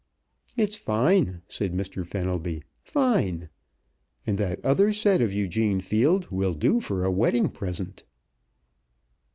"It's fine!" said Mr. Fenelby. "Fine! And that other set of Eugene Field will do for a wedding present!"